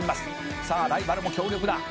「さあライバルも強力だ」